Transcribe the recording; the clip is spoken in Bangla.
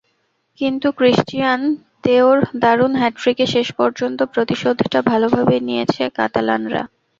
কিন্তু ক্রিশ্চিয়ান তেয়োর দারুণ হ্যাটট্রিকে শেষ পর্যন্ত প্রতিশোধটা ভালোভাবেই নিয়েছে কাতালানরা।